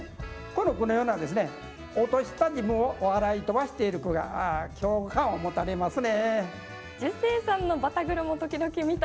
この句のようなですね落とした自分を笑い飛ばしている句が共感を持たれますね。